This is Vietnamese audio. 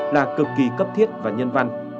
là cực kỳ cấp thiết và nhân văn